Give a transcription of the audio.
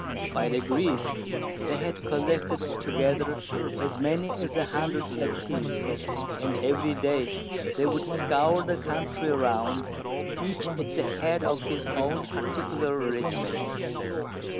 By degrees, they had collected together as many as a hundred a piece, and every day they would scour the country round, each at the head of his own particular regiment.